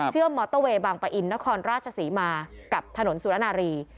เชื่อมดรเวย์บางปะอินต์นครราชสีมากับถนนสุณานารี